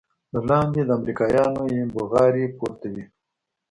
له لاندې د امريکايانو بوغارې پورته وې.